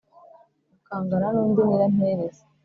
ukangana nu ndi nyirampereza